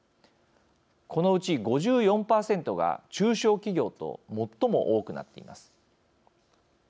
このうち５４％が中小企業と最も多くなっています。